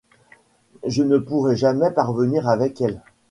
Je ne pourrai jamais parvenir avec elle.